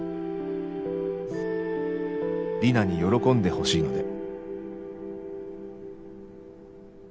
「リナに喜んで欲しいので」。